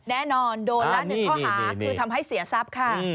แน่นอนโดนละ๑ข้อหาคือทำให้เสียทรัพย์ค่ะ